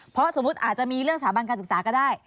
เพราะสมมุติอาจจะมีเรื่องสถาบันการศึกษาก็ได้